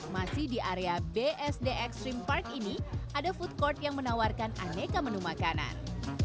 masih di area bsd extreme park ini ada food court yang menawarkan aneka menu makanan